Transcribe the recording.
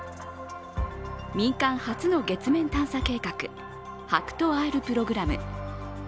民間初の月面探査計画、ＨＡＫＵＴＯ−Ｒプログラム。